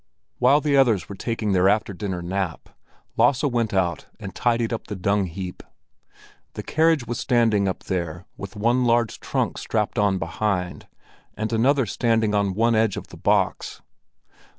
While the others were taking their after dinner nap, Lasse went out and tidied up the dung heap. The carriage was standing up there with one large trunk strapped on behind, and another standing on one edge on the box.